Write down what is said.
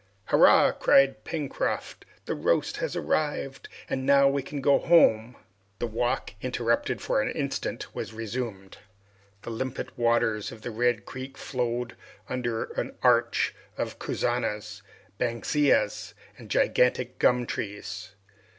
"Hurrah!" cried Pencroft, "the roast has arrived! and now we can go home." The walk, interrupted for an instant, was resumed. The limpid waters of the Red Creek flowed under an arch of casuarinas, banksias, and gigantic gum trees.